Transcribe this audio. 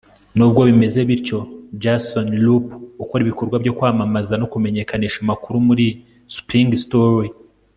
nubwo bimeze bityo, jason roop ukora ibikorwa byo kwamamaza no kumenyekanisha amakuru kuri springstory